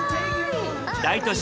大都市